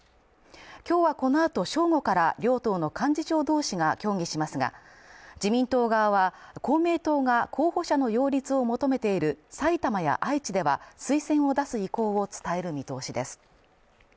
今日はこのあと正午から両党の幹事長同士が協議しますが、自民党側は公明党が候補者の擁立を求めている埼玉や愛知では、推薦を出す意向を伝える見通しです。